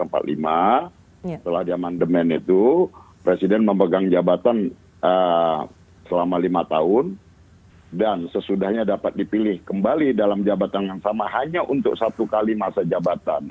setelah diamandemen itu presiden memegang jabatan selama lima tahun dan sesudahnya dapat dipilih kembali dalam jabatan yang sama hanya untuk satu kali masa jabatan